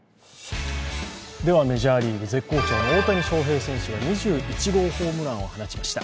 メジャーリーグ、絶好調の大谷翔平選手が２１号ホームランを放ちました。